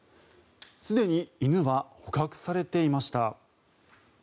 すでに犬は捕獲されていました。